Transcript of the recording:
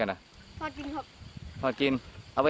ค่ะหากลับมาเดี๋ยวเราจะไป